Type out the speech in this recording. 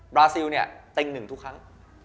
ราซิลเนี่ยเต็งหนึ่งทุกครั้ง